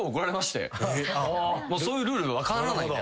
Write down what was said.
そういうルール分からないんで。